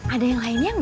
ada yang lainnya gak